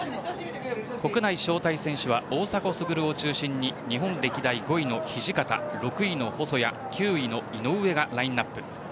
国内招待選手は大迫傑を中心に日本歴代５位の土方６位の細谷９位の井上がラインアップ。